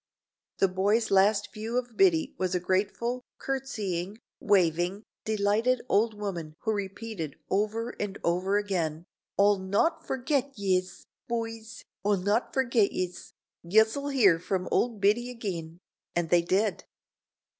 The boys last view of Biddy was a grateful, curtseying, waving, delighted old woman who repeated over and over again, "O'll not forgit yez, B'ys, O'll not forgit yez. Yez'll hear from old Biddy agin," and they did.